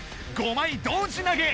５枚同時投げ！